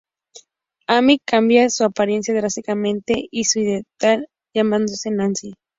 Amy cambia su apariencia drásticamente y su identidad llamándose "Nancy".